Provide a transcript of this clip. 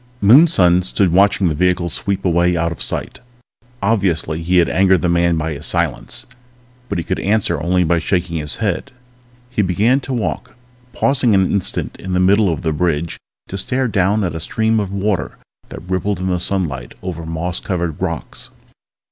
_ Moonson stood watching the vehicle sweep away out of sight. Obviously he had angered the man by his silence, but he could answer only by shaking his head. He began to walk, pausing an instant in the middle of the bridge to stare down at a stream of water that rippled in the sunlight over moss covered rocks.